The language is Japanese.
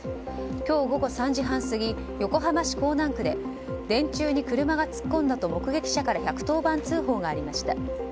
今日午後３時半過ぎ横浜市港南区で電柱に車が突っ込んだと目撃者から１１０番通報がありました。